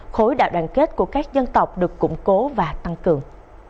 khối đại đoàn kết của các dân tộc được củng cố và tăng cường